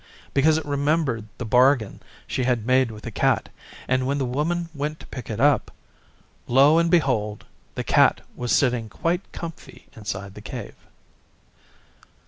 because it remembered the bargain she had made with the Cat, and when the Woman went to pick it up lo and behold! the Cat was sitting quite comfy inside the Cave.